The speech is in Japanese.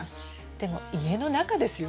でも家の中ですよ。